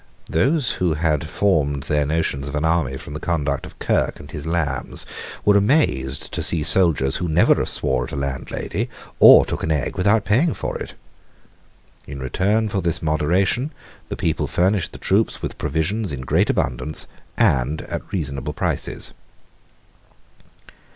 Those who had formed their notions of an army from the conduct of Kirke and his Lambs were amazed to see soldiers who never swore at a landlady or took an egg without paying for it. In return for this moderation the people furnished the troops with provisions in great abundance and at reasonable prices.